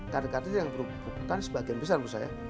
kader kader yang sebagian besar menurut saya